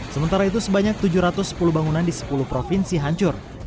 sementara itu sebanyak tujuh ratus sepuluh bangunan di sepuluh provinsi hancur